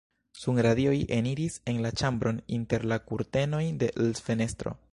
Sunradioj eniris en la ĉambron inter la kurtenoj de l' fenestro.